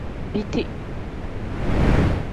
Biti.